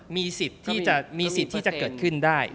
มีสิทธิ์ที่จะเกิดขึ้นได้